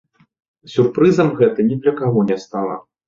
Сюрпрызам гэта ні для каго не стала.